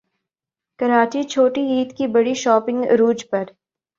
کراچی چھوٹی عید کی بڑی شاپنگ عروج پر